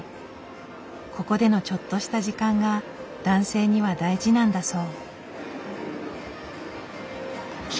ここでのちょっとした時間が男性には大事なんだそう。